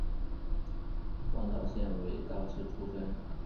广岛县尾道市出身。